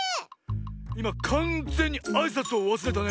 いまかんぜんにあいさつをわすれたね。